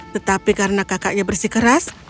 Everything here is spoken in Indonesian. tetapi karena kakaknya bersih keras